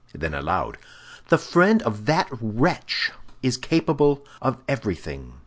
Then aloud, "The friend of that wretch is capable of everything."